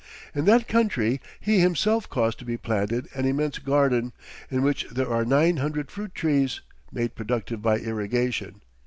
In that country he himself caused to be planted an immense garden, in which there are nine hundred fruit trees, made productive by irrigation.